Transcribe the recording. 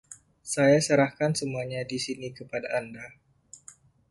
Saya serahkan semuanya di sini kepada Anda.